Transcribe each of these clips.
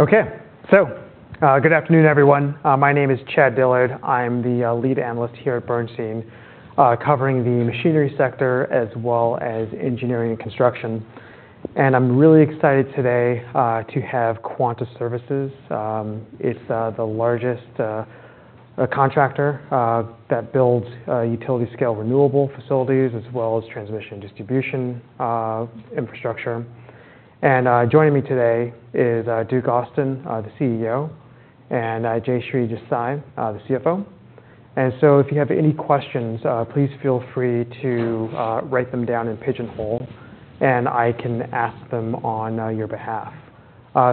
Okay. Good afternoon, everyone. My name is Chad Dillard. I'm the lead analyst here at Bernstein, covering the machinery sector, as well as engineering and construction. And I'm really excited today to have Quanta Services. It's the largest contractor that builds utility-scale renewable facilities, as well as transmission distribution infrastructure. And joining me today is Duke Austin, the CEO, and Jayshree Desai, the CFO. So if you have any questions, please feel free to write them down in Pigeonhole, and I can ask them on your behalf.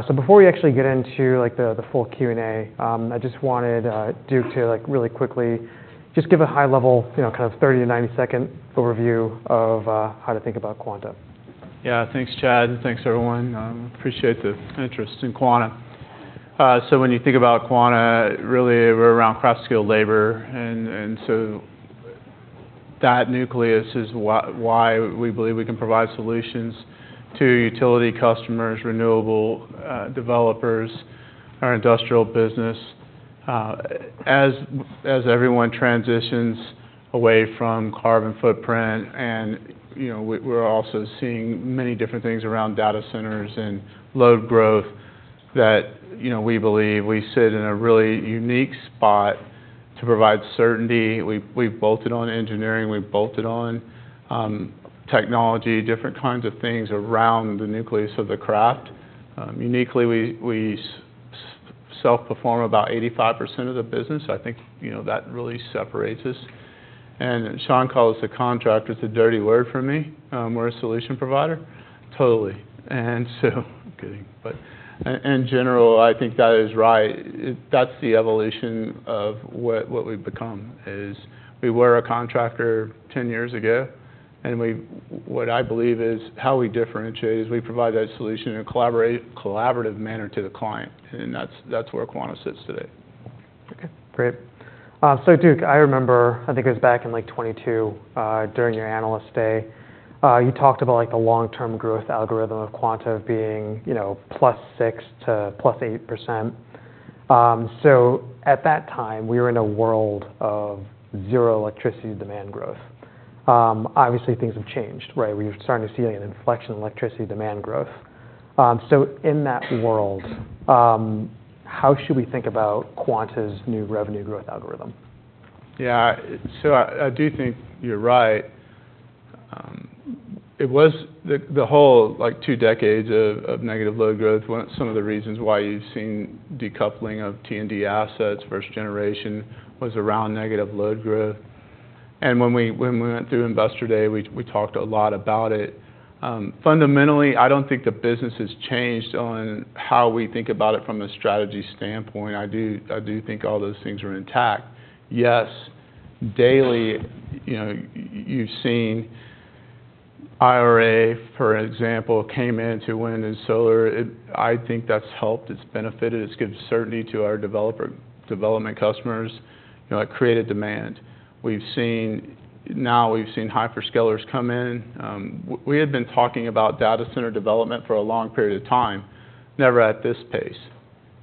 So before we actually get into, like, the full Q&A, I just wanted Duke to, like, really quickly just give a high-level, you know, kind of 30- to 90-second overview of how to think about Quanta. Yeah. Thanks, Chad, and thanks everyone. Appreciate the interest in Quanta. So when you think about Quanta, really, we're around craft-skilled labor, and so that nucleus is why we believe we can provide solutions to utility customers, renewable developers, our industrial business. As everyone transitions away from carbon footprint and, you know, we're also seeing many different things around data centers and load growth that, you know, we believe we sit in a really unique spot to provide certainty. We've bolted on engineering, we've bolted on technology, different kinds of things around the nucleus of the craft. Uniquely, we self-perform about 85% of the business. I think, you know, that really separates us. And Some call us a contractor, it's a dirty word for me. We're a solution provider. Totally. In general, I think that is right. That's the evolution of what we've become, is we were a contractor 10 years ago, and what I believe is how we differentiate, is we provide that solution in a collaborative manner to the client, and that's where Quanta sits today. Okay, great. So Duke, I remember, I think it was back in, like, 2022, during your Analyst Day, you talked about, like, the long-term growth algorithm of Quanta being, you know, +6% to +8%. So at that time, we were in a world of zero electricity demand growth. Obviously, things have changed, right? We're starting to see an inflection in electricity demand growth. So in that world, how should we think about Quanta's new revenue growth algorithm? Yeah. So I do think you're right. It was the whole, like, two decades of negative load growth were some of the reasons why you've seen decoupling of T&D assets versus generation, was around negative load growth. And when we went through Investor Day, we talked a lot about it. Fundamentally, I don't think the business has changed on how we think about it from a strategy standpoint. I do think all those things are intact. Yes, lately, you know, you've seen IRA, for example, came in to wind and solar. I think that's helped, it's benefited, it's given certainty to our development customers. You know, it created demand. We've seen. Now, we've seen hyperscalers come in. We had been talking about data center development for a long period of time, never at this pace,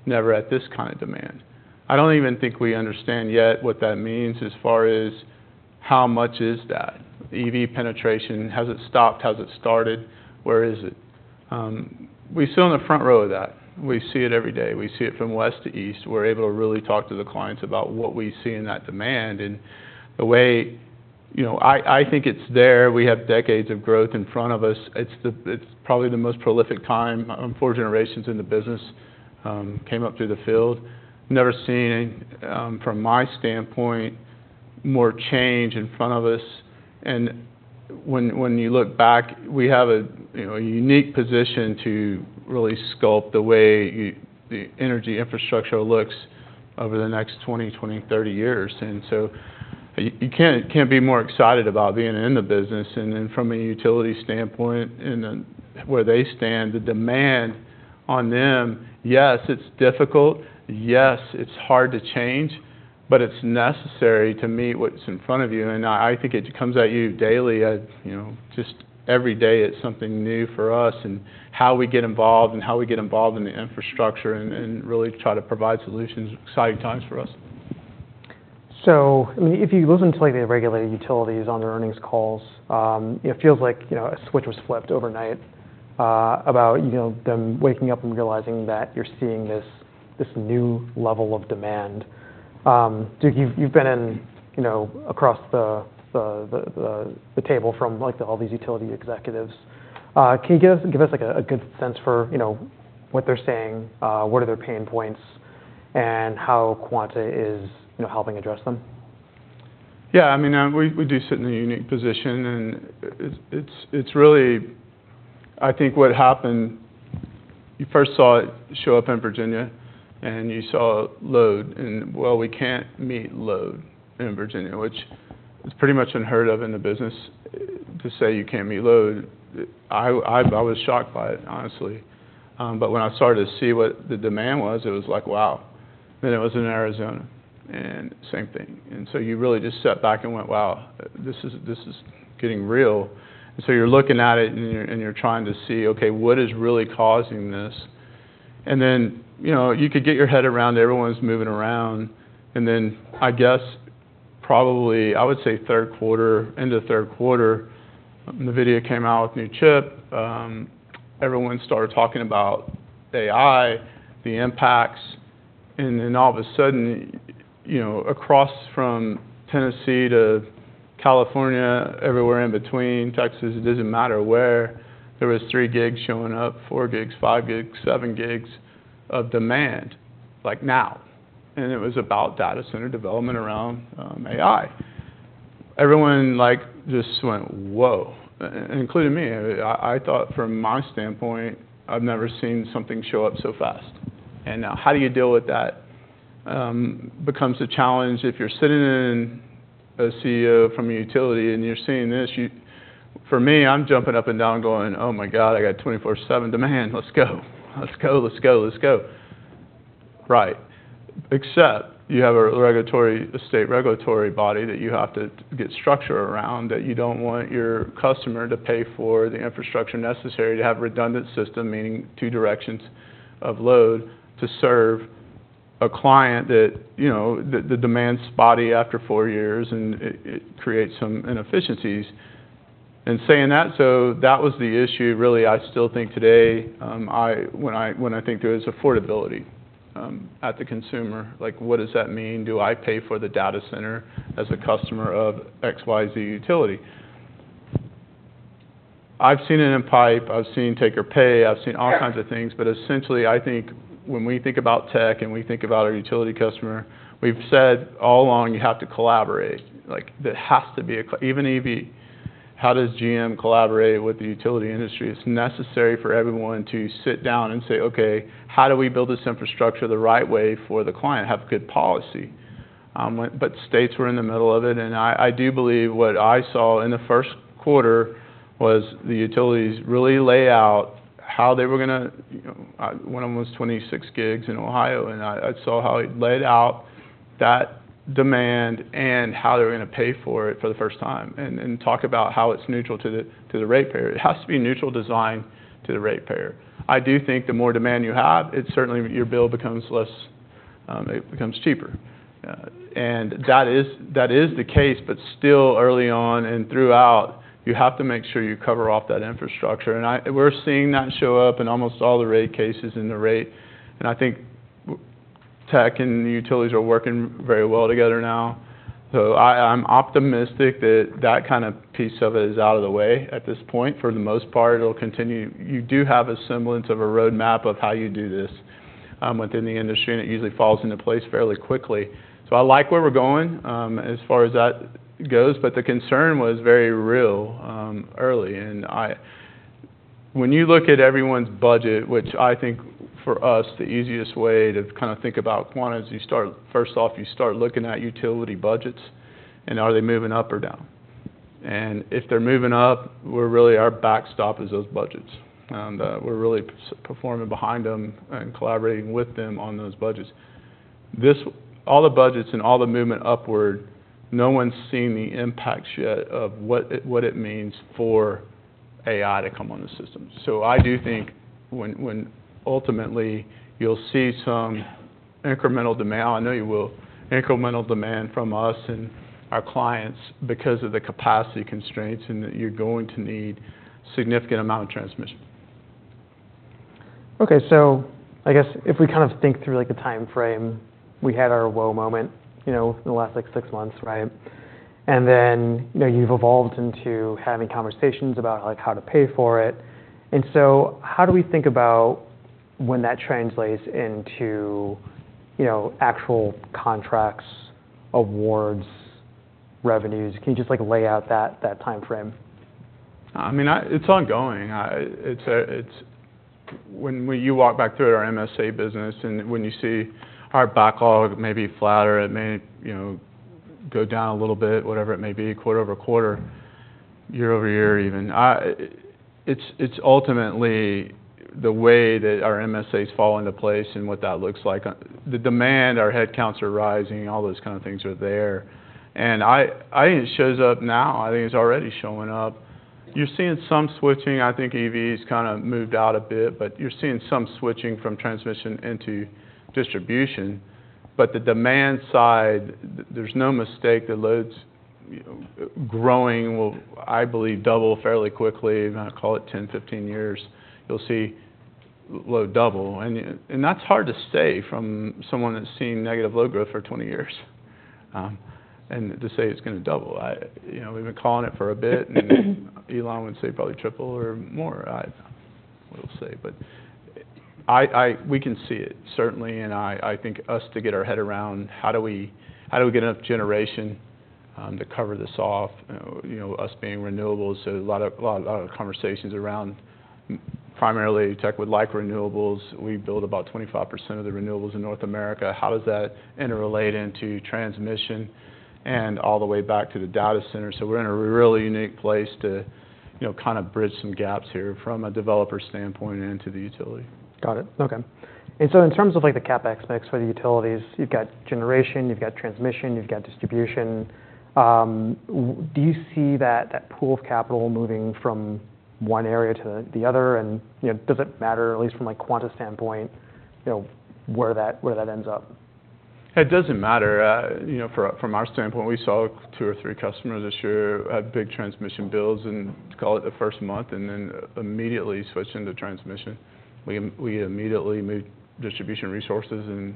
never at this kind of demand. I don't even think we understand yet what that means, as far as how much is that. EV penetration, has it stopped? Has it started? Where is it? We sit on the front row of that. We see it every day. We see it from west to east. We're able to really talk to the clients about what we see in that demand and the way... You know, I think it's there. We have decades of growth in front of us. It's probably the most prolific time, four generations in the business, came up through the field. Never seen, from my standpoint, more change in front of us. And when you look back, we have a, you know, a unique position to really sculpt the way the energy infrastructure looks over the next 20, 20, 30 years. And so you can't be more excited about being in the business. And then from a utility standpoint, and then where they stand, the demand on them, yes, it's difficult, yes, it's hard to change, but it's necessary to meet what's in front of you. And I think it comes at you daily, you know, just every day, it's something new for us, and how we get involved, and how we get involved in the infrastructure and really try to provide solutions. Exciting times for us. So, I mean, if you listen to, like, the regulated utilities on their earnings calls, it feels like, you know, a switch was flipped overnight, about, you know, them waking up and realizing that you're seeing this, this new level of demand. Duke, you've been in, you know, across the table from, like, all these utility executives. Can you give us, like, a good sense for, you know, what they're saying, what are their pain points, and how Quanta is, you know, helping address them? Yeah, I mean, we do sit in a unique position, and it's really... I think what happened, you first saw it show up in Virginia, and you saw load, and, well, we can't meet load in Virginia, which is pretty much unheard of in the business, to say you can't meet load. I was shocked by it, honestly. But when I started to see what the demand was, it was like, "Wow!"... then it was in Arizona, and same thing. And so you really just sat back and went, "Wow, this is getting real." So you're looking at it and you're trying to see, okay, what is really causing this? And then, you know, you could get your head around, everyone's moving around. And then, I guess, probably, I would say third quarter, end of third quarter, NVIDIA came out with a new chip, everyone started talking about AI, the impacts, and then all of a sudden, you know, across from Tennessee to California, everywhere in between, Texas, it doesn't matter where, there was 3 gigs showing up, 4 gigs, 5 gigs, 7 gigs of demand, like now. And it was about data center development around AI. Everyone, like, just went, "Whoa!" Including me. I, I thought from my standpoint, I've never seen something show up so fast. And now how do you deal with that? Becomes a challenge if you're sitting in a CEO from a utility and you're seeing this, you, for me, I'm jumping up and down going, "Oh my God, I got 24/7 demand. Let's go. Let's go, let's go, let's go." Right. Except you have a regulatory—a state regulatory body that you have to get structure around, that you don't want your customer to pay for the infrastructure necessary to have a redundant system, meaning two directions of load, to serve a client that, you know, the demand's spotty after four years, and it creates some inefficiencies. Saying that, that was the issue, really. I still think today, when I think there's affordability at the consumer, like, what does that mean? Do I pay for the data center as a customer of XYZ utility? I've seen it in pipe, I've seen take or pay, I've seen all kinds of things. But essentially, I think when we think about tech and we think about our utility customer, we've said all along, you have to collaborate. Like, there has to be even EV, how does GM collaborate with the utility industry? It's necessary for everyone to sit down and say, "Okay, how do we build this infrastructure the right way for the client? Have good policy." But states were in the middle of it, and I, I do believe what I saw in the first quarter was the utilities really lay out how they were gonna. You know, one of them was 26 gigs in Ohio, and I, I saw how it laid out that demand and how they were gonna pay for it for the first time, and, and talk about how it's neutral to the, to the ratepayer. It has to be a neutral design to the ratepayer. I do think the more demand you have, it's certainly your bill becomes less. It becomes cheaper. And that is the case, but still early on and throughout, you have to make sure you cover off that infrastructure. And we're seeing that show up in almost all the rate cases in the rate. And I think tech and utilities are working very well together now. So I'm optimistic that that kind of piece of it is out of the way at this point. For the most part, it'll continue. You do have a semblance of a roadmap of how you do this within the industry, and it usually falls into place fairly quickly. So I like where we're going as far as that goes, but the concern was very real early. When you look at everyone's budget, which I think for us, the easiest way to kind of think about Quanta is, first off, you start looking at utility budgets, and are they moving up or down? If they're moving up, our backstop is those budgets. We're really supporting them and collaborating with them on those budgets. All the budgets and all the movement upward, no one's seen the impacts yet of what it means for AI to come on the system. So I do think ultimately, you'll see some incremental demand, I know you will, incremental demand from us and our clients because of the capacity constraints, and that you're going to need significant amount of transmission. Okay, so I guess if we kind of think through, like, the time frame, we had our whoa moment, you know, in the last, like, six months, right? And then, you know, you've evolved into having conversations about, like, how to pay for it. And so how do we think about when that translates into, you know, actual contracts, awards, revenues? Can you just, like, lay out that time frame? I mean, it's ongoing. It's a, it's when we you walk back through our MSA business, and when you see our backlog may be flatter, it may, you know, go down a little bit, whatever it may be, quarter-over-quarter, year-over-year, even. It's ultimately the way that our MSAs fall into place and what that looks like. On the demand, our headcounts are rising, all those kind of things are there. And I think it shows up now. I think it's already showing up. You're seeing some switching. I think EV's kind of moved out a bit, but you're seeing some switching from transmission into distribution. But the demand side, there's no mistake that load's, you know, growing, will, I believe, double fairly quickly. And I call it 10, 15 years, you'll see load double. That's hard to say from someone that's seen negative load growth for 20 years, and to say it's gonna double. You know, we've been calling it for a bit, and Elon would say probably triple or more, I will say. But we can see it, certainly, and I think us to get our head around, how do we, how do we get enough generation to cover this off? You know, us being renewables, so a lot of, lot of conversations around primarily tech with like renewables, we build about 25% of the renewables in North America. How does that interrelate into transmission and all the way back to the data center? So we're in a really unique place to, you know, kind of bridge some gaps here from a developer standpoint into the utility. Got it. Okay. And so in terms of, like, the CapEx mix for the utilities, you've got generation, you've got transmission, you've got distribution. Do you see that, that pool of capital moving from one area to the, the other? And, you know, does it matter, at least from, like, Quanta standpoint, you know, where that- where that ends up? It doesn't matter. You know, from our standpoint, we saw two or three customers this year have big transmission builds, and call it the first month, and then immediately switched into transmission. We immediately moved distribution resources and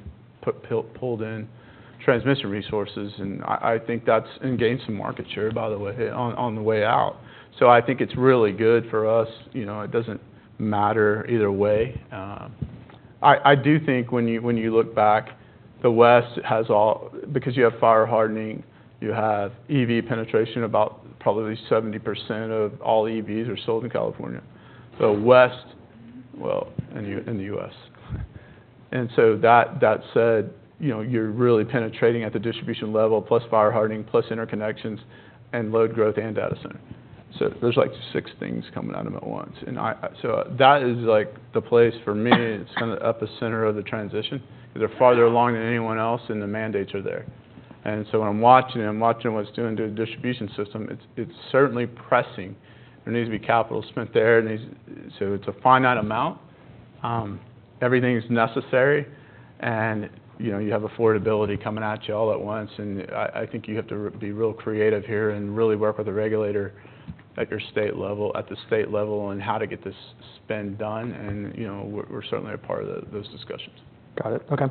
pulled in transmission resources, and I think that's and gained some market share, by the way, on the way out. So I think it's really good for us. You know, it doesn't matter either way. I do think when you look back, the West has all because you have fire hardening, you have EV penetration, about probably 70% of all EVs are sold in California. So West. Well, in the U.S. And so that said, you know, you're really penetrating at the distribution level, plus fire hardening, plus interconnections, and load growth and data center. So there's, like, six things coming out of it at once. And I so that is, like, the place for me, it's kind of the epicenter of the transition. They're farther along than anyone else, and the mandates are there. And so when I'm watching them, I'm watching what it's doing to the distribution system, it's certainly pressing. There needs to be capital spent there. So it's a finite amount. Everything is necessary, and, you know, you have affordability coming at you all at once, and I think you have to be real creative here, and really work with the regulator at the state level, on how to get this spend done. And, you know, we're certainly a part of those discussions. Got it. Okay.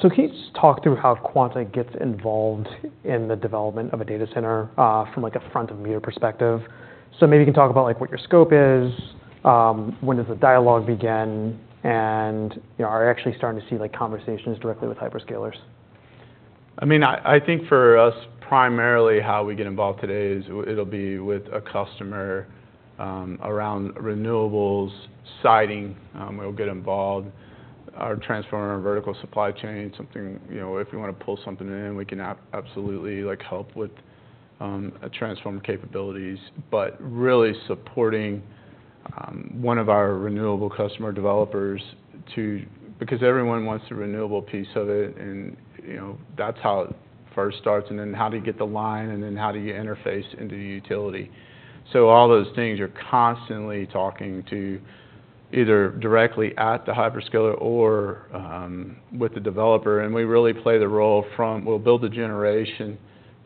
So can you just talk through how Quanta gets involved in the development of a data center, from, like, a front-of-meter perspective? So maybe you can talk about, like, what your scope is, when does the dialogue begin, and, you know, are you actually starting to see, like, conversations directly with hyperscalers? I mean, I think for us, primarily how we get involved today is it'll be with a customer, around renewables, siting, we'll get involved. Our transformer and vertical supply chain, something, you know, if we want to pull something in, we can absolutely, like, help with, a transformer capabilities. But really supporting, one of our renewable customer developers to... Because everyone wants the renewable piece of it, and, you know, that's how it first starts, and then how do you get the line, and then how do you interface into the utility? So all those things, you're constantly talking to, either directly at the hyperscaler or, with the developer, and we really play the role from... We'll build the generation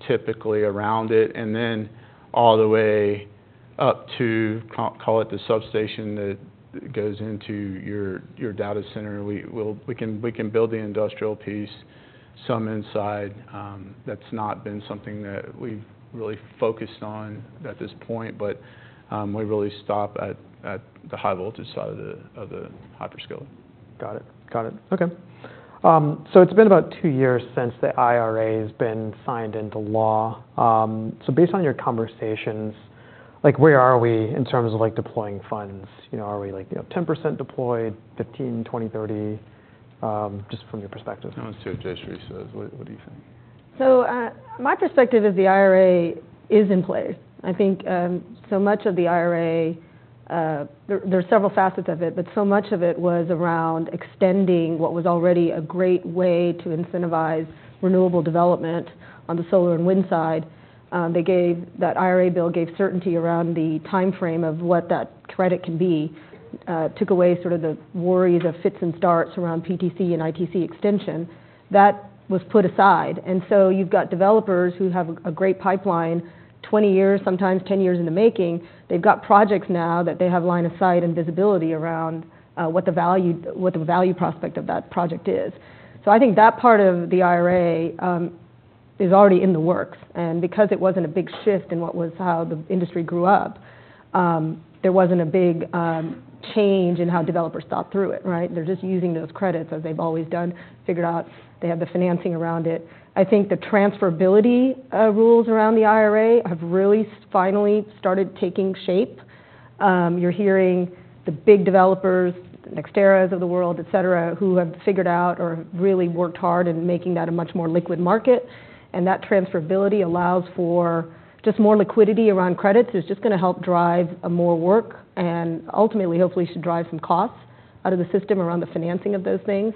typically around it, and then all the way up to call it the substation that goes into your, your data center. We can build the industrial piece, some inside. That's not been something that we've really focused on at this point, but we really stop at the high voltage side of the hyperscaler. Got it. Got it. Okay. So it's been about two years since the IRA has been signed into law. So based on your conversations, like, where are we in terms of, like, deploying funds? You know, are we, like, you know, 10% deployed, 15, 20, 30? Just from your perspective. I want to see what Jayshree says. What, what do you think? So, my perspective of the IRA is in place. I think, so much of the IRA... There are several facets of it, but so much of it was around extending what was already a great way to incentivize renewable development on the solar and wind side. They gave - that IRA bill gave certainty around the timeframe of what that credit can be, took away sort of the worries of fits and starts around PTC and ITC extension. That was put aside, and so you've got developers who have a great pipeline, 20 years, sometimes 10 years in the making. They've got projects now that they have line of sight and visibility around, what the value prospect of that project is. So I think that part of the IRA is already in the works, and because it wasn't a big shift in what was how the industry grew up, there wasn't a big change in how developers thought through it, right? They're just using those credits as they've always done, figured out they have the financing around it. I think the transferability rules around the IRA have really finally started taking shape. You're hearing the big developers, NextEra's of the world, et cetera, who have figured out or really worked hard in making that a much more liquid market, and that transferability allows for just more liquidity around credits. It's just gonna help drive more work, and ultimately, hopefully, should drive some costs out of the system around the financing of those things.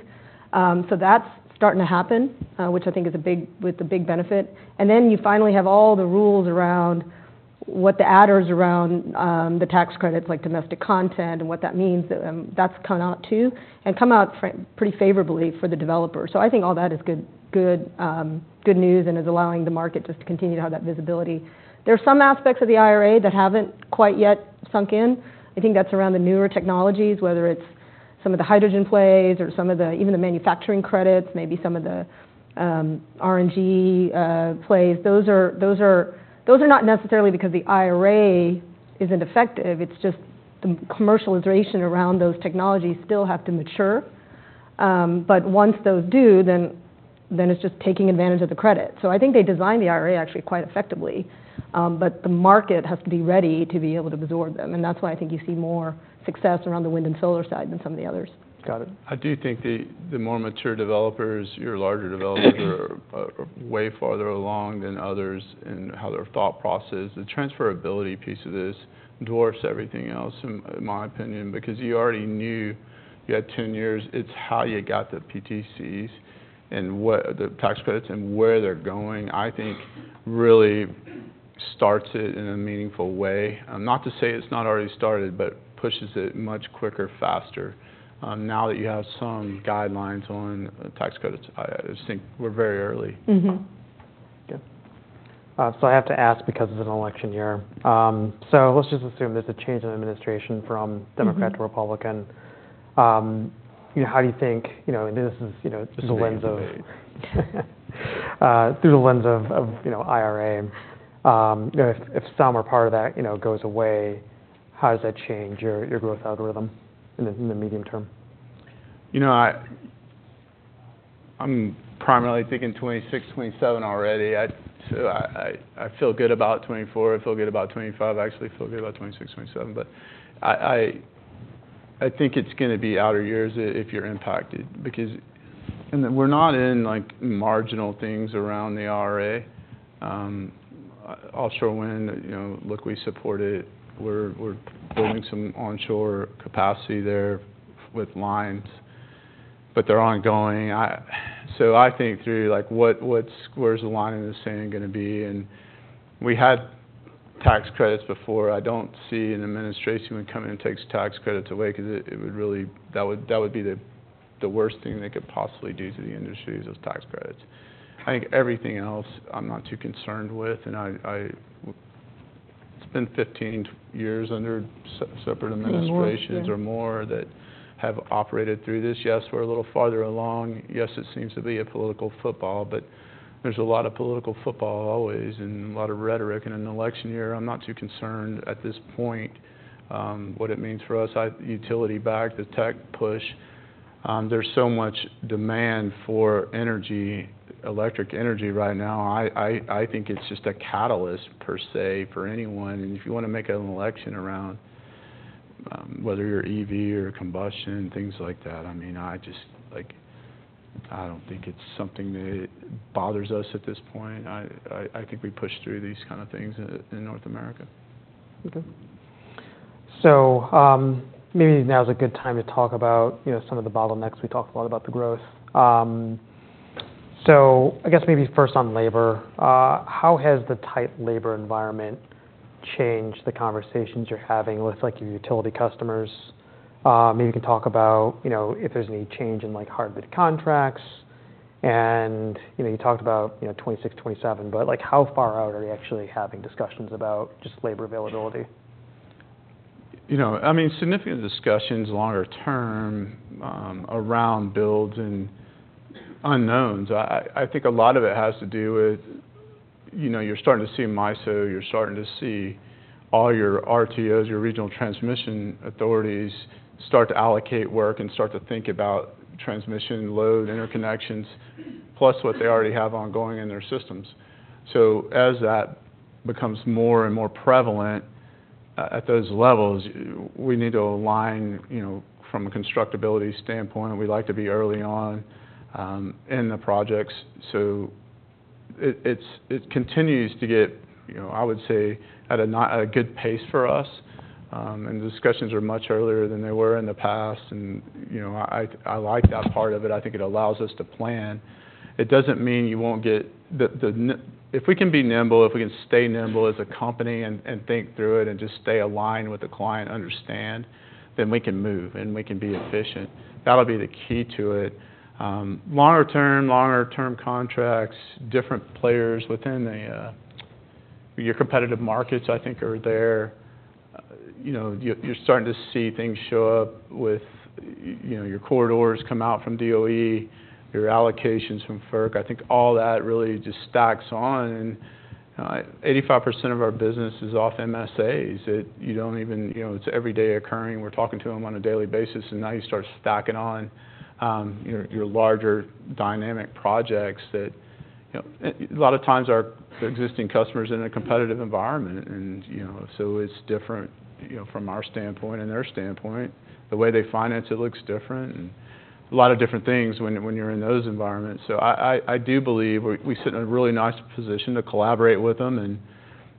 So that's starting to happen, which I think is a big benefit. And then you finally have all the rules around what the adders around the tax credits, like domestic content and what that means. That's come out too, and come out pretty favorably for the developer. So I think all that is good, good, good news, and is allowing the market just to continue to have that visibility. There are some aspects of the IRA that haven't quite yet sunk in. I think that's around the newer technologies, whether it's some of the hydrogen plays or some of the even the manufacturing credits, maybe some of the RNG plays. Those are, those are, those are not necessarily because the IRA isn't effective, it's just the commercialization around those technologies still have to mature. Once those do, then it's just taking advantage of the credit. I think they designed the IRA actually quite effectively, but the market has to be ready to be able to absorb them, and that's why I think you see more success around the wind and solar side than some of the others. Got it. I do think the, the more mature developers, your larger developers are, are way farther along than others in how their thought process. The transferability piece of this dwarfs everything else, in, in my opinion, because you already knew you had ten years. It's how you got the PTCs and the tax credits, and where they're going, I think really starts it in a meaningful way. Not to say it's not already started, but pushes it much quicker, faster, now that you have some guidelines on tax credits. I, I just think we're very early. Mm-hmm. Good. So I have to ask because it's an election year. Let's just assume there's a change in administration from- Mm-hmm... Democrat to Republican. You know, how do you think, you know, and this is, you know, just through the lens of IRA. You know, if some or part of that, you know, goes away, how does that change your growth algorithm in the medium term? You know, I'm primarily thinking 2026, 2027 already. So I feel good about 2024, I feel good about 2025, I actually feel good about 2026, 2027. But I think it's gonna be outer years if you're impacted because, and then we're not in, like, marginal things around the IRA. Offshore wind, you know, look, we support it. We're building some onshore capacity there with lines, but they're ongoing. So I think through, like, what, where's the line in the sand gonna be? And we had tax credits before. I don't see an administration would come in and takes tax credits away, 'cause it would really, that would be the worst thing they could possibly do to the industry is those tax credits. I think everything else, I'm not too concerned with, and I— It's been 15 years under separate administrations- Or more, yeah.... or more, that have operated through this. Yes, we're a little farther along. Yes, it seems to be a political football, but there's a lot of political football always and a lot of rhetoric. In an election year, I'm not too concerned at this point, what it means for us. Utility backlog, the tech push, there's so much demand for energy, electric energy right now. I think it's just a catalyst, per se, for anyone. And if you wanna make an election around, whether you're EV or combustion, things like that, I mean, I just like... I don't think it's something that bothers us at this point. I think we push through these kind of things in North America. Okay. So, maybe now is a good time to talk about, you know, some of the bottlenecks. We talked a lot about the growth. So I guess maybe first on labor, how has the tight labor environment changed the conversations you're having with, like, your utility customers? Maybe you can talk about, you know, if there's any change in, like, hard bid contracts. And, you know, you talked about, you know, 2026, 2027, but, like, how far out are you actually having discussions about just labor availability? You know, I mean, significant discussions, longer term, around builds and unknowns. I think a lot of it has to do with, you know, you're starting to see MISO, you're starting to see all your RTOs, your regional transmission authorities, start to allocate work and start to think about transmission load, interconnections, plus what they already have ongoing in their systems. So as that becomes more and more prevalent at those levels, we need to align, you know, from a constructability standpoint, and we like to be early on in the projects. So it continues to get, you know, I would say, at a good pace for us. And the discussions are much earlier than they were in the past, and, you know, I like that part of it. I think it allows us to plan. It doesn't mean you won't get the if we can be nimble, if we can stay nimble as a company and think through it and just stay aligned with the client, understand, then we can move, and we can be efficient. That'll be the key to it. Longer term, longer term contracts, different players within the your competitive markets, I think, are there. You know, you're starting to see things show up with... you know, your corridors come out from DOE, your allocations from FERC. I think all that really just stacks on, and 85% of our business is off MSAs. You don't even... You know, it's every day occurring. We're talking to them on a daily basis, and now you start stacking on your larger dynamic projects that, you know, a lot of times the existing customer is in a competitive environment, and, you know, so it's different, you know, from our standpoint and their standpoint. The way they finance it looks different, and a lot of different things when you're in those environments. So I do believe we sit in a really nice position to collaborate with them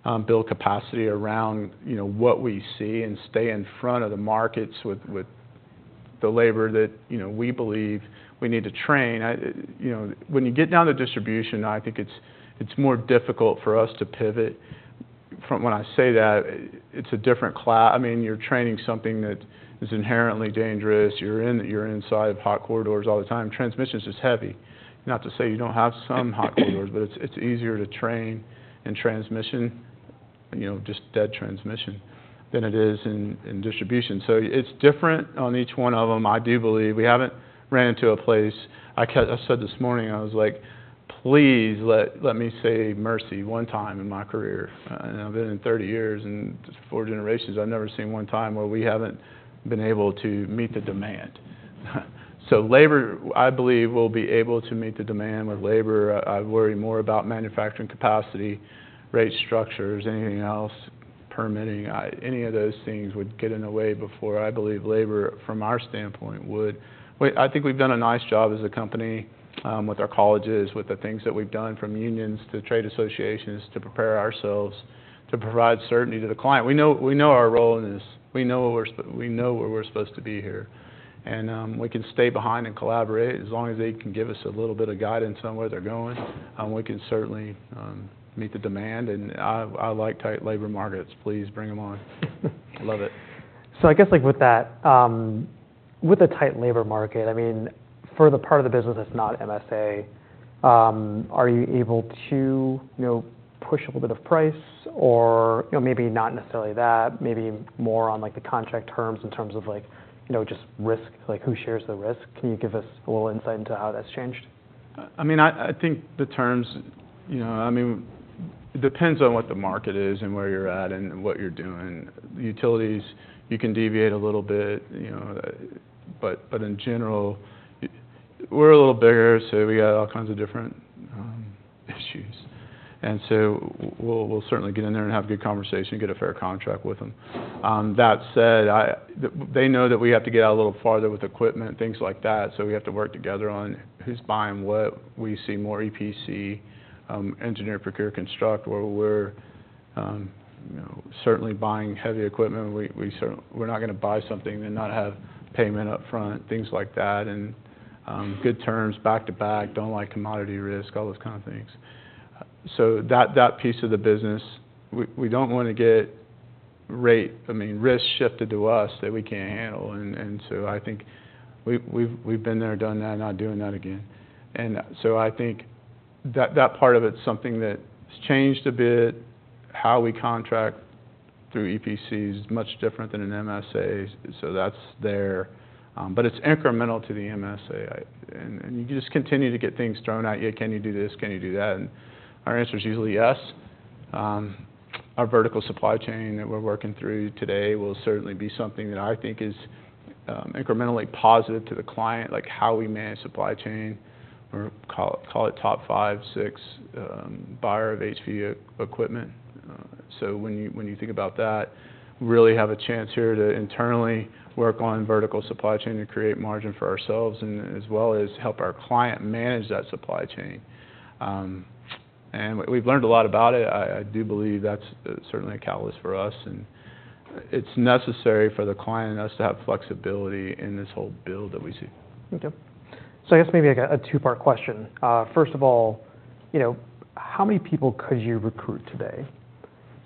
and build capacity around, you know, what we see, and stay in front of the markets with the labor that, you know, we believe we need to train. You know, when you get down to distribution, I think it's more difficult for us to pivot. From when I say that, it's a different. I mean, you're training something that is inherently dangerous. You're in, you're inside hot corridors all the time. Transmission's just heavy. Not to say you don't have some hot corridors, but it's easier to train in transmission, you know, just dead transmission, than it is in distribution. So it's different on each one of them, I do believe. We haven't ran into a place. I said this morning, I was like, please let me say mercy one time in my career. And I've been in 30 years and four generations, I've never seen one time where we haven't been able to meet the demand. So labor, I believe, we'll be able to meet the demand with labor. I worry more about manufacturing capacity, rate structures, anything else, permitting. Any of those things would get in the way before, I believe, labor, from our standpoint, would. I think we've done a nice job as a company, with our colleges, with the things that we've done, from unions to trade associations, to prepare ourselves to provide certainty to the client. We know, we know our role in this. We know where we're supposed to be here, and we can stay behind and collaborate. As long as they can give us a little bit of guidance on where they're going, we can certainly meet the demand. And I, I like tight labor markets. Please bring them on. Love it. So I guess, like, with that, with the tight labor market, I mean, for the part of the business that's not MSA, are you able to, you know, push a little bit of price or... You know, maybe not necessarily that, maybe more on, like, the contract terms in terms of like, you know, just risk, like, who shares the risk? Can you give us a little insight into how that's changed? I mean, I think the terms, you know—I mean, it depends on what the market is, and where you're at, and what you're doing. Utilities, you can deviate a little bit, you know, but in general, we're a little bigger, so we got all kinds of different issues. And so we'll, we'll certainly get in there and have a good conversation and get a fair contract with them. That said, they know that we have to get out a little farther with equipment, things like that, so we have to work together on who's buying what. We see more EPC, engineer, procure, construct, where we're, you know, certainly buying heavy equipment. We're not gonna buy something and not have payment upfront, things like that, and good terms, back-to-back, don't like commodity risk, all those kind of things. So that piece of the business, we don't wanna get—I mean, risk shifted to us that we can't handle. And so I think we've been there, done that, not doing that again. And so I think that part of it's something that's changed a bit. How we contract through EPC is much different than an MSA, so that's there. But it's incremental to the MSA. And you just continue to get things thrown at you. "Can you do this? Can you do that?" And our answer is usually yes. Our vertical supply chain that we're working through today will certainly be something that I think is incrementally positive to the client, like how we manage supply chain. We call it top five, six buyer of HV equipment. So when you think about that, really have a chance here to internally work on vertical supply chain and create margin for ourselves, and as well as help our client manage that supply chain. And we've learned a lot about it. I do believe that's certainly a catalyst for us, and it's necessary for the client and us to have flexibility in this whole build that we see. Okay. So I guess maybe, like, a two-part question. First of all, you know, how many people could you recruit today?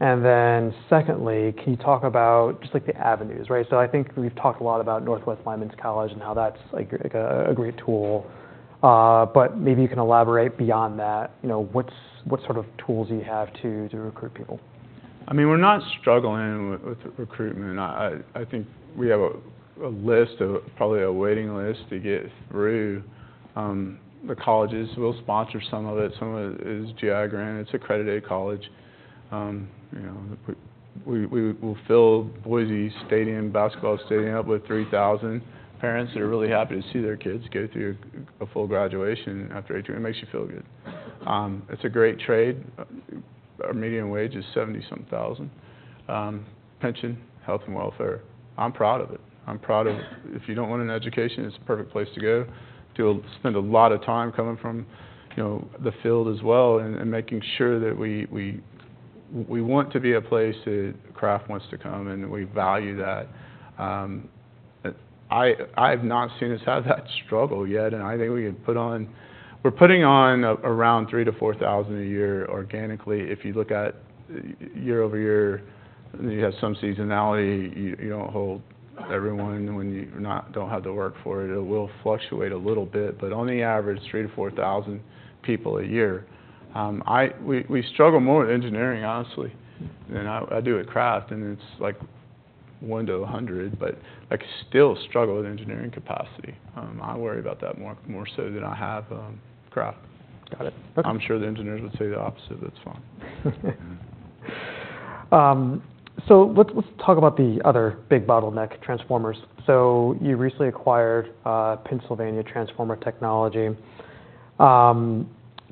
And then secondly, can you talk about just, like, the avenues, right? So I think we've talked a lot about Northwest Lineman College and how that's, like, a great tool, but maybe you can elaborate beyond that. You know, what sort of tools do you have to recruit people? I mean, we're not struggling with recruitment. I think we have a list, probably a waiting list to get through. The colleges will sponsor some of it. Some of it is GI Grant. It's accredited college. You know, we'll fill Boise Stadium, basketball stadium up with 3,000 parents that are really happy to see their kids go through a full graduation after 18. It makes you feel good. It's a great trade. Our median wage is $70,000+, pension, health and welfare. I'm proud of it. I'm proud of— If you don't want an education, it's a perfect place to go. To spend a lot of time coming from, you know, the field as well and making sure that we want to be a place that craft wants to come, and we value that. I've not seen us have that struggle yet, and I think we can put on. We're putting on around 3,000-4,000 a year organically. If you look at year-over-year, you have some seasonality. You don't hold everyone when you don't have the work for it. It will fluctuate a little bit, but on average, 3,000-4,000 people a year. We struggle more with engineering, honestly, than I do with craft, and it's like 1 to 100, but I still struggle with engineering capacity. I worry about that more so than I have craft. Got it. I'm sure the engineers would say the opposite, but it's fine. So let's talk about the other big bottleneck, transformers. You recently acquired Pennsylvania Transformer Technology.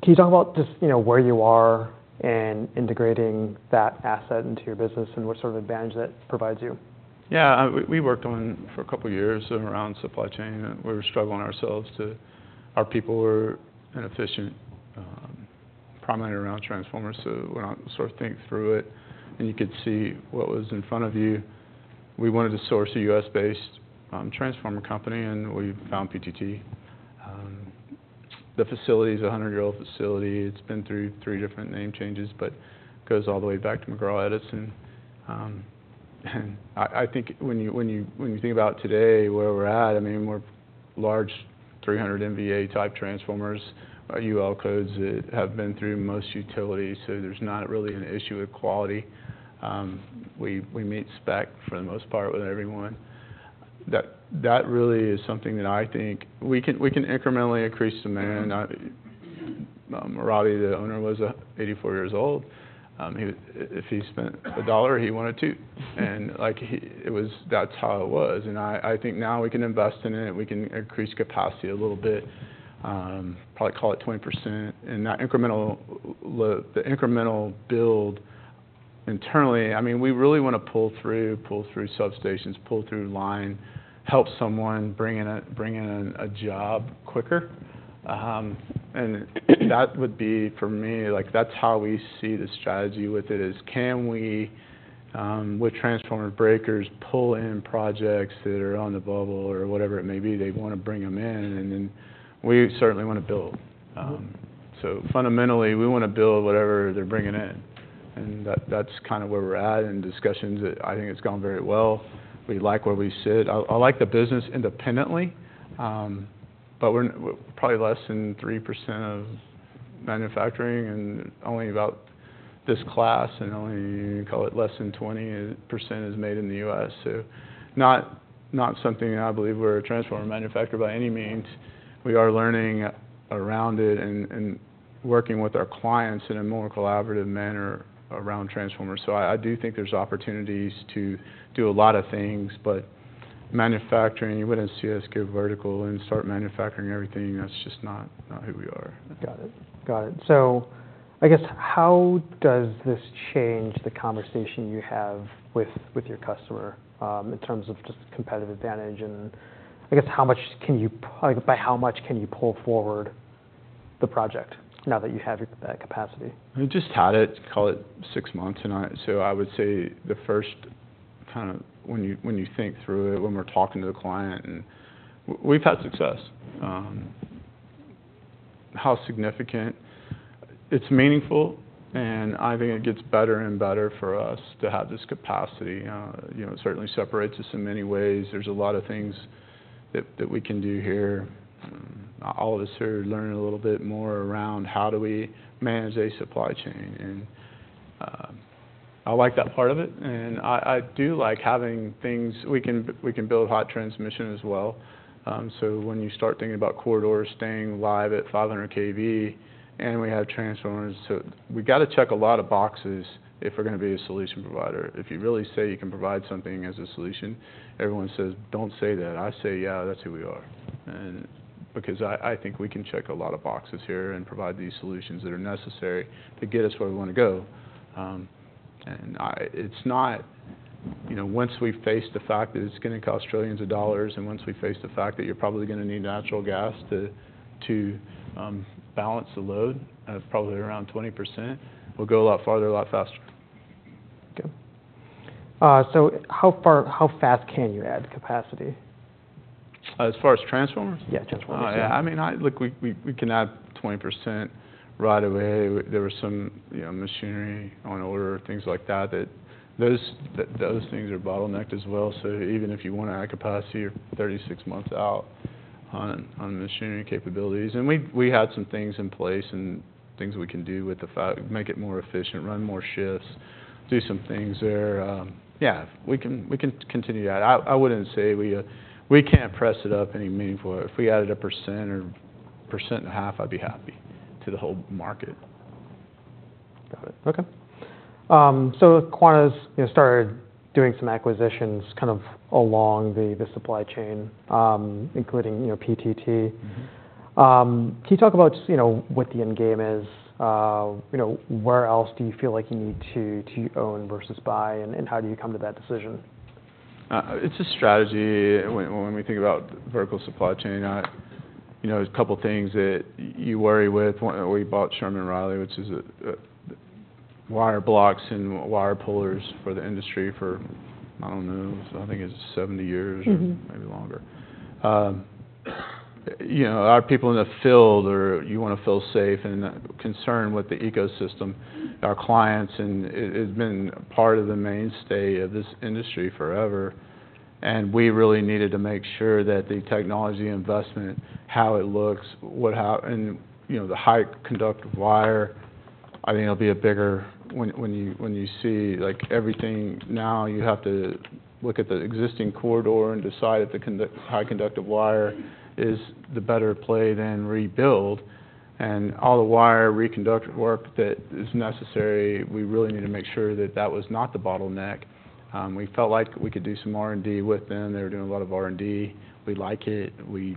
Can you talk about just, you know, where you are in integrating that asset into your business and what sort of advantage that provides you? Yeah, we worked on for a couple of years around supply chain, and we were struggling ourselves to... Our people were inefficient, primarily around transformers. So when I sort of think through it, and you could see what was in front of you, we wanted to source a US-based transformer company, and we found PTT. The facility is a 100-year-old facility. It's been through three different name changes, but goes all the way back to McGraw Edison. And I think when you think about today, where we're at, I mean, we're large, 300 MVA-type transformers, UL codes that have been through most utilities, so there's not really an issue with quality. We meet spec for the most part with everyone. That, that really is something that I think we can, we can incrementally increase demand. Ravi, the owner, was 84 years old. He if he spent a dollar, he wanted two. And like, he it was, that's how it was. And I, I think now we can invest in it, we can increase capacity a little bit, probably call it 20%. And that incremental the incremental build internally, I mean, we really wanna pull through, pull through substations, pull through line, help someone bring in a job quicker. And that would be, for me, like, that's how we see the strategy with it is, can we, with transformer breakers, pull in projects that are on the bubble or whatever it may be? They wanna bring them in, and then we certainly wanna build. So fundamentally, we wanna build whatever they're bringing in, and that, that's kind of where we're at in discussions. I think it's gone very well. We like where we sit. I like the business independently, but we're probably less than 3% of manufacturing and only about this class, and only, call it, less than 20% is made in the US. So not something I believe we're a transformer manufacturer by any means. We are learning around it and working with our clients in a more collaborative manner around transformers. So I do think there's opportunities to do a lot of things, but manufacturing, you wouldn't see us go vertical and start manufacturing everything. That's just not who we are. Got it. Got it. So I guess, how does this change the conversation you have with your customer in terms of just competitive advantage? And I guess, how much can you—like, by how much can you pull forward the project now that you have your, that capacity? We just had it, call it six months, and I... So I would say the first kind of, when you, when you think through it, when we're talking to the client, and we've had success. How significant? It's meaningful, and I think it gets better and better for us to have this capacity. You know, it certainly separates us in many ways. There's a lot of things that we can do here. All of us are learning a little bit more around how do we manage a supply chain, and I like that part of it, and I do like having things... We can build high transmission as well. So when you start thinking about corridors staying live at 500 kV, and we have transformers, so we gotta check a lot of boxes if we're gonna be a solution provider. If you really say you can provide something as a solution, everyone says, "Don't say that." I say, "Yeah, that's who we are." And because I think we can check a lot of boxes here and provide these solutions that are necessary to get us where we wanna go. And it's not... You know, once we face the fact that it's gonna cost $ trillions, and once we face the fact that you're probably gonna need natural gas to balance the load, probably around 20%, we'll go a lot farther, a lot faster. Okay. So how fast can you add capacity? As far as transformers? Yeah, transformers. Yeah, I mean, look, we can add 20% right away. There were some, you know, machinery on order, things like that, those things are bottlenecked as well, so even if you wanna add capacity, you're 36 months out on machinery capabilities. And we had some things in place and things we can do to make it more efficient, run more shifts, do some things there. Yeah, we can continue to add. I wouldn't say we can't press it up any meaningful. If we added 1% or 1.5%, I'd be happy, to the whole market. Got it. Okay. So Quanta's, you know, started doing some acquisitions kind of along the supply chain, including, you know, PTT. Mm-hmm. Can you talk about, you know, what the end game is? You know, where else do you feel like you need to own versus buy, and how do you come to that decision? It's a strategy. When we think about vertical supply chain, you know, there's a couple of things that you worry with. When we bought Sherman and Reilly, which is a wire blocks and wire pullers for the industry for, I don't know, so I think it's 70 years- Mm-hmm... or maybe longer. You know, our people in the field are, you wanna feel safe and concerned with the ecosystem, our clients, and it, it's been part of the mainstay of this industry forever. We really needed to make sure that the technology investment, how it looks, what and, you know, the high conductive wire, I think it'll be a bigger... When you see, like, everything now, you have to look at the existing corridor and decide if the high conductive wire is the better play than rebuild. All the wire reconductor work that is necessary, we really need to make sure that that was not the bottleneck. We felt like we could do some R&D with them. They were doing a lot of R&D. We like it. We,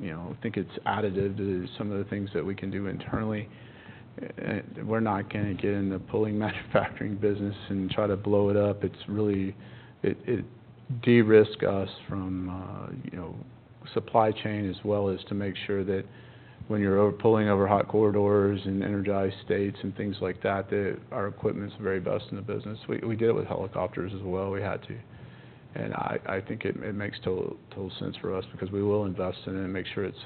you know, think it's additive to some of the things that we can do internally. We're not gonna get in the pulling manufacturing business and try to blow it up. It's really it de-risks us from supply chain, as well as to make sure that when you're over, pulling over hot corridors and energized states and things like that, that our equipment's the very best in the business. We did it with helicopters as well. We had to. And I think it makes total sense for us because we will invest in it and make sure it's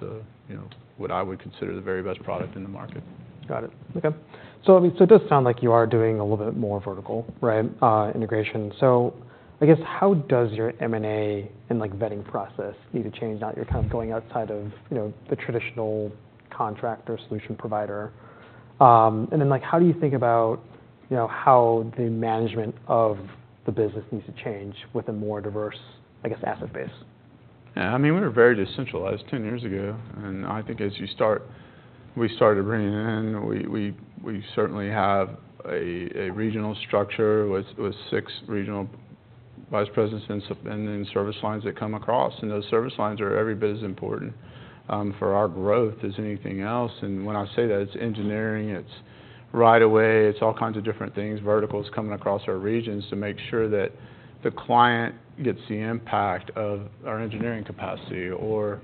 what I would consider the very best product in the market. Got it. Okay. So, I mean, so it does sound like you are doing a little bit more vertical, right, integration. So I guess, how does your M&A and, like, vetting process need to change now that you're kind of going outside of, you know, the traditional contractor solution provider? And then, like, how do you think about, you know, how the management of the business needs to change with a more diverse, I guess, asset base? Yeah, I mean, we were very decentralized ten years ago, and I think we started bringing in. We certainly have a regional structure with six regional vice presidents and then service lines that come across. And those service lines are every bit as important for our growth as anything else. And when I say that, it's engineering, it's right of way, it's all kinds of different things, verticals coming across our regions to make sure that the client gets the impact of our engineering capacity or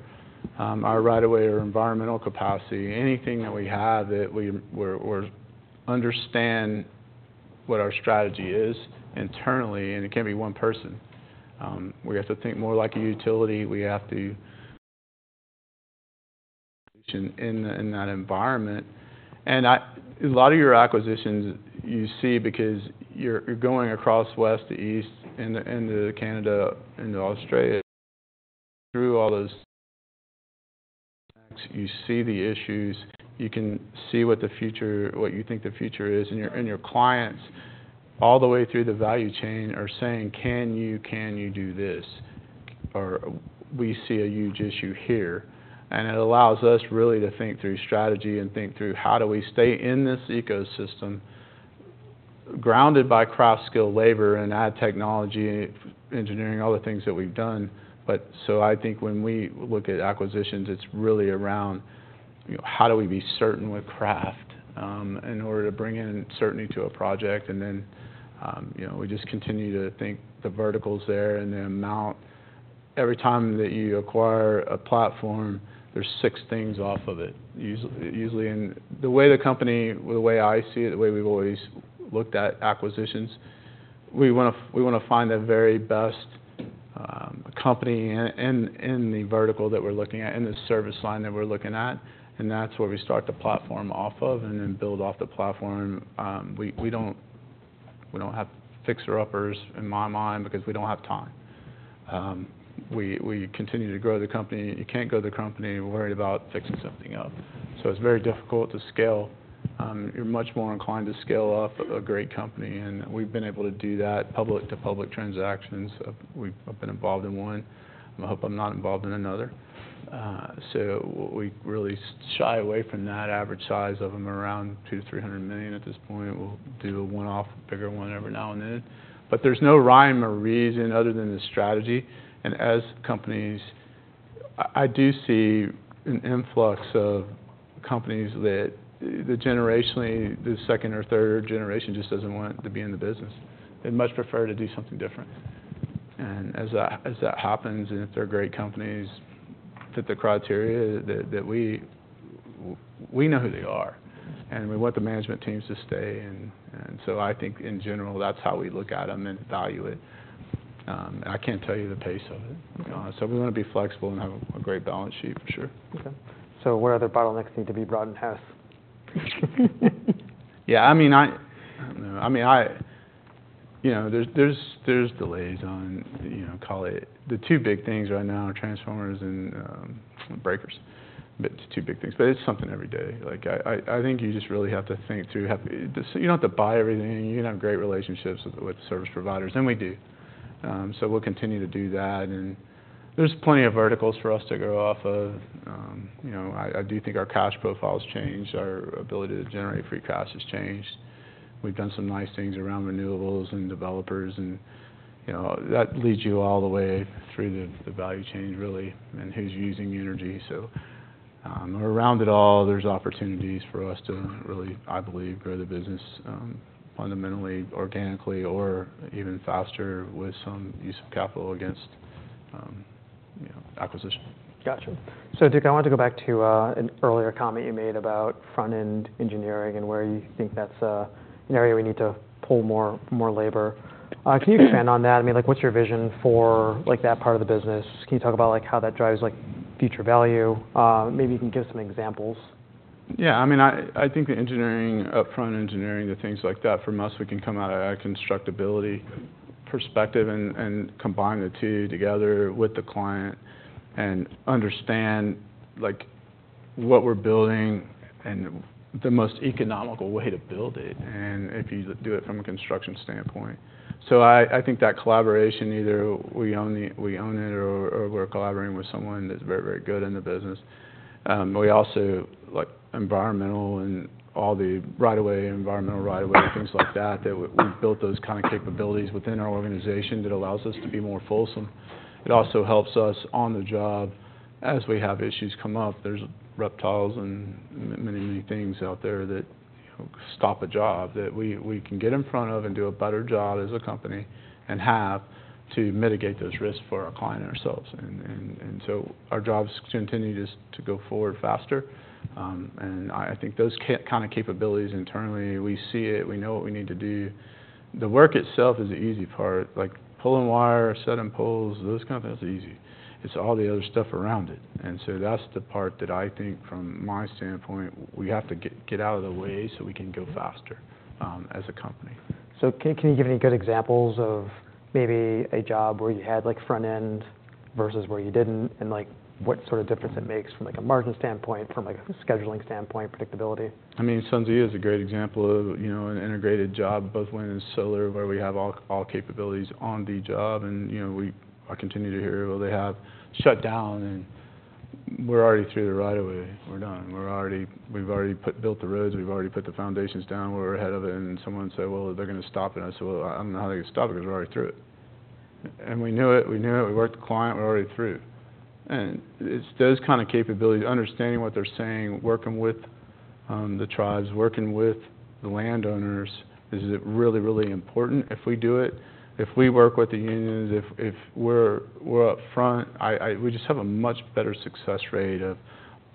our right of way or environmental capacity. Anything that we have that we understand what our strategy is internally, and it can't be one person. We have to think more like a utility. We have to in that environment. A lot of your acquisitions, you see, because you're going across west to east, into Canada, into Australia, through all those. You see the issues, you can see what the future—what you think the future is, and your clients, all the way through the value chain, are saying, "Can you do this?" Or, "We see a huge issue here." It allows us really to think through strategy and think through how do we stay in this ecosystem, grounded by craft skilled labor and add technology, engineering, all the things that we've done? But so I think when we look at acquisitions, it's really around, you know, how do we be certain with craft in order to bring in certainty to a project? And then, you know, we just continue to think the verticals there and the amount. Every time that you acquire a platform, there's six things off of it, usually. And the way the company, or the way I see it, the way we've always looked at acquisitions, we wanna find the very best company in the vertical that we're looking at, in the service line that we're looking at, and that's where we start the platform off of and then build off the platform. We don't have fixer-uppers, in my mind, because we don't have time. We continue to grow the company. You can't grow the company worried about fixing something up. So it's very difficult to scale. You're much more inclined to scale off a great company, and we've been able to do that. Public-to-public transactions, we've. I've been involved in one, and I hope I'm not involved in another. So we really shy away from that. Average size of them are around $200 million-$300 million at this point. We'll do a one-off, bigger one every now and then. But there's no rhyme or reason other than the strategy. And as companies... I do see an influx of companies that, generationally, the second or third generation just doesn't want to be in the business. They'd much prefer to do something different. And as that happens, and if they're great companies, fit the criteria that we know who they are, and we want the management teams to stay. And so I think in general, that's how we look at them and value it. I can't tell you the pace of it, to be honest. We wanna be flexible and have a great balance sheet, for sure. Okay. So where other bottlenecks need to be broadened past? Yeah, I mean, I don't know. I mean, you know, there's delays on, you know, call it. The two big things right now are transformers and breakers. That's the two big things, but it's something every day. Like, I think you just really have to think through how. You don't have to buy everything. You can have great relationships with service providers, and we do. So we'll continue to do that, and there's plenty of verticals for us to grow off of. You know, I do think our cash profile has changed. Our ability to generate free cash has changed. We've done some nice things around renewables and developers, and, you know, that leads you all the way through the value chain, really, and who's using energy. Around it all, there's opportunities for us to really, I believe, grow the business, fundamentally, organically, or even faster with some use of capital against, you know, acquisition. Gotcha. So Duke, I wanted to go back to an earlier comment you made about front-end engineering and where you think that's an area we need to pull more, more labor. Can you expand on that? I mean, like, what's your vision for, like, that part of the business? Can you talk about, like, how that drives, like, future value? Maybe you can give some examples. Yeah. I mean, I think the engineering, upfront engineering, the things like that, for us, we can come out of that constructability perspective and combine the two together with the client and understand, like, what we're building and the most economical way to build it, and if you do it from a construction standpoint. So I think that collaboration, either we own the—we own it, or we're collaborating with someone that's very, very good in the business. We also, like, environmental and all the right of way, environmental right of way, things like that, that we've built those kind of capabilities within our organization that allows us to be more fulsome. It also helps us on the job. As we have issues come up, there's reptiles and many, many things out there that, you know, stop a job, that we can get in front of and do a better job as a company, and have to mitigate those risks for our client and ourselves. So our job is to continue just to go forward faster. And I think those kind of capabilities internally, we see it, we know what we need to do. The work itself is the easy part. Like, pulling wire, setting poles, those kind of things are easy. It's all the other stuff around it. And so that's the part that I think, from my standpoint, we have to get out of the way so we can go faster, as a company. So, can you give any good examples of maybe a job where you had, like, front-end versus where you didn't, and, like, what sort of difference it makes from, like, a margin standpoint, from, like, a scheduling standpoint, predictability? I mean, SunZia is a great example of, you know, an integrated job, both wind and solar, where we have all, all capabilities on the job. And, you know, we—I continue to hear, well, they have shut down, and we're already through the right of way. We're done. We're already—We've already put—built the roads, we've already put the foundations down, we're ahead of it. And someone said, "Well, they're gonna stop it." I said, "Well, I don't know how they're gonna stop it, 'cause we're already through it." And we knew it, we knew it. We worked the client, we're already through. And it's those kind of capabilities, understanding what they're saying, working with the tribes, working with the landowners, is, is really, really important if we do it. If we work with the unions, if we're up front, we just have a much better success rate of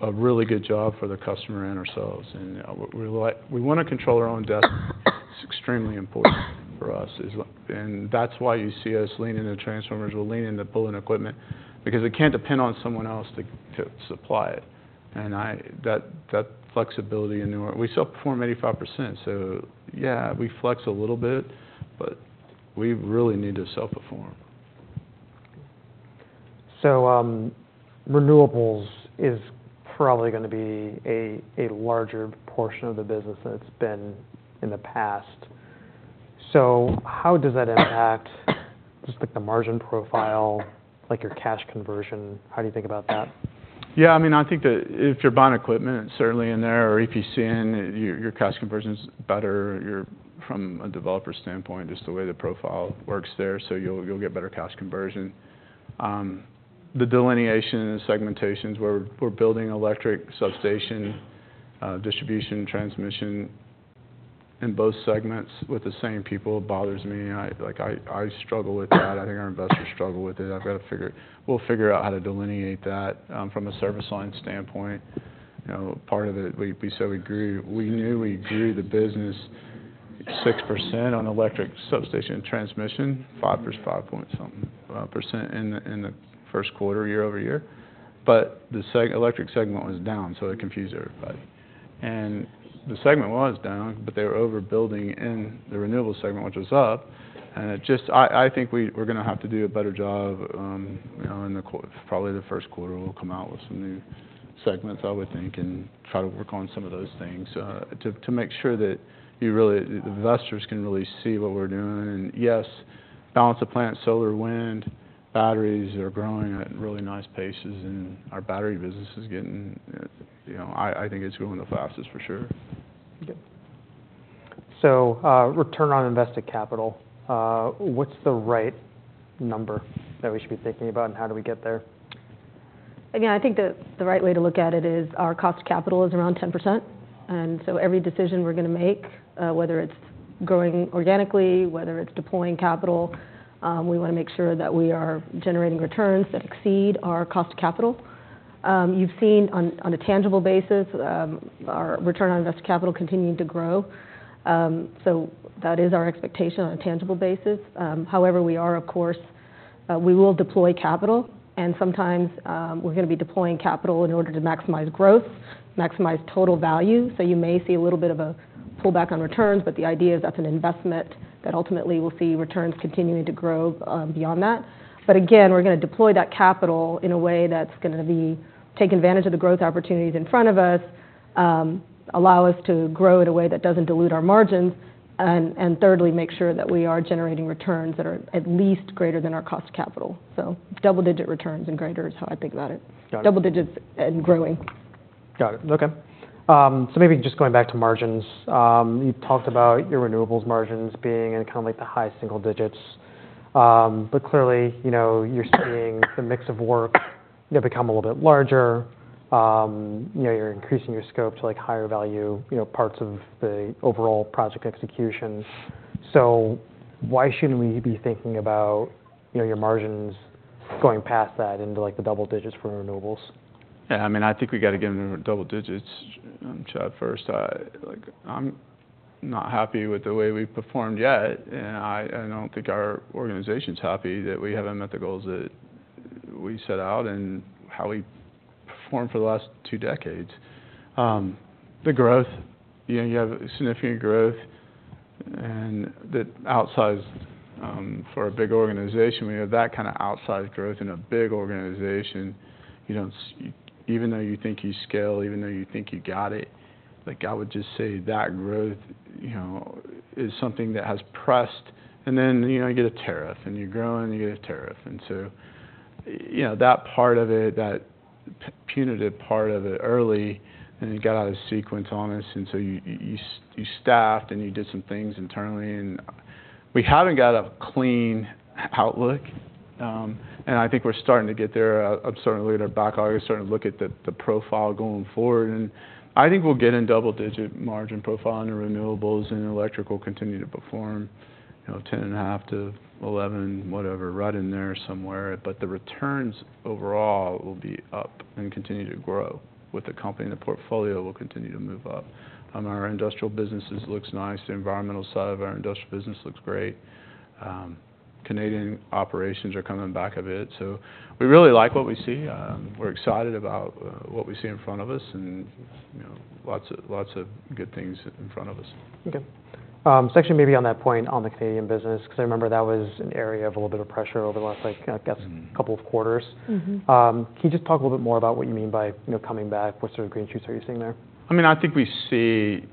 a really good job for the customer and ourselves. And we're like. We wanna control our own destiny. It's extremely important for us. And that's why you see us leaning into transformers, we're leaning into pulling equipment, because we can't depend on someone else to supply it. And I... That, that flexibility in the... We still perform 85%, so yeah, we flex a little bit, but we really need to self-perform. So, renewables is probably gonna be a larger portion of the business than it's been in the past. So how does that impact just like the margin profile, like, your cash conversion? How do you think about that? Yeah, I mean, I think that if you're buying equipment, it's certainly in there, or if you're seeing your cash conversion's better, you're from a developer standpoint, just the way the profile works there, so you'll get better cash conversion. The delineation and segmentation, where we're building electric substation, distribution, transmission in both segments with the same people, it bothers me. Like, I struggle with that. I think our investors struggle with it. I've got to figure—we'll figure out how to delineate that. From a service line standpoint, you know, part of it, we knew we grew the business 6% on electric substation transmission, 5 + 5.something% in the first quarter, year-over-year. But the electric segment was down, so it confused everybody. The segment was down, but they were overbuilding in the renewable segment, which was up. It just... I think we're gonna have to do a better job, you know, in the quarter, probably the first quarter, we'll come out with some new segments, I would think, and try to work on some of those things, to make sure that you really, investors, can really see what we're doing. Yes, balance of plant, solar, wind, batteries are growing at really nice paces, and our battery business is getting, you know... I think it's growing the fastest, for sure. Okay. So, return on invested capital, what's the right number that we should be thinking about, and how do we get there? Again, I think the right way to look at it is, our cost of capital is around 10%. And so every decision we're gonna make, whether it's growing organically, whether it's deploying capital, we wanna make sure that we are generating returns that exceed our cost of capital. You've seen on a tangible basis, our return on invested capital continuing to grow. So that is our expectation on a tangible basis. However, we are, of course, we will deploy capital, and sometimes, we're gonna be deploying capital in order to maximize growth, maximize total value. So you may see a little bit of a pullback on returns, but the idea is that's an investment that ultimately will see returns continuing to grow, beyond that. But again, we're gonna deploy that capital in a way that's gonna be, take advantage of the growth opportunities in front of us, allow us to grow in a way that doesn't dilute our margins, and, and thirdly, make sure that we are generating returns that are at least greater than our cost to capital. So double-digit returns and greater is how I think about it. Got it. Double digits and growing. Got it. Okay. So maybe just going back to margins. You talked about your renewables margins being in kind of like the high single digits, but clearly, you know, you're seeing the mix of work, you know, become a little bit larger. You know, you're increasing your scope to, like, higher value, you know, parts of the overall project execution. So why shouldn't we be thinking about, you know, your margins going past that into, like, the double digits for renewables? Yeah, I mean, I think we got to get into the double digits, Chad, first. Like, I'm not happy with the way we've performed yet, and I don't think our organization's happy that we haven't met the goals that we set out and how we performed for the last two decades. The growth, you know, you have significant growth and that outsized, for a big organization, we have that kind of outsized growth in a big organization. You know, even though you think you scale, even though you think you got it, like, I would just say that growth, you know, is something that has pressed... And then, you know, you get a tariff, and you're growing, and you get a tariff. So, you know, that punitive part of it early, and it got out of sequence on us, and so you staffed, and you did some things internally. We haven't got a clean outlook, and I think we're starting to get there. I'm starting to look back, already starting to look at the profile going forward, and I think we'll get in double-digit margin profile on the renewables, and electrical continue to perform, you know, 10.5-11, whatever, right in there somewhere. But the returns overall will be up and continue to grow with the company, and the portfolio will continue to move up. Our industrial businesses looks nice. The environmental side of our industrial business looks great. Canadian operations are coming back a bit, so we really like what we see. We're excited about what we see in front of us and, you know, lots of, lots of good things in front of us. Okay. So actually maybe on that point, on the Canadian business, 'cause I remember that was an area of a little bit of pressure over the last, like, I guess- Mm... couple of quarters. Mm-hmm. Can you just talk a little bit more about what you mean by, you know, coming back? What sort of green shoots are you seeing there? I mean, I think we see,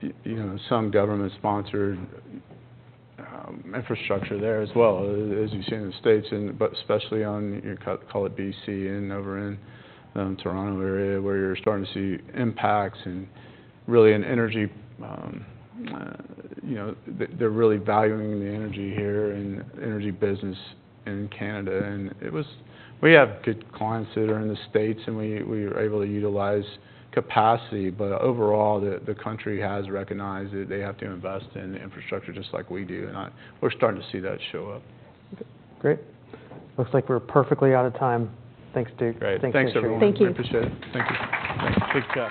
you know, some government-sponsored infrastructure there as well as you see in the States and but especially, call it BC and over in Toronto area, where you're starting to see impacts and really in energy, you know, they're really valuing the energy here and energy business in Canada. We have good clients that are in the States, and we are able to utilize capacity, but overall, the country has recognized that they have to invest in infrastructure just like we do, and we're starting to see that show up. Okay, great. Looks like we're perfectly out of time. Thanks, Duke. Great. Thanks, everyone. Thank you. We appreciate it. Thank you. Good job.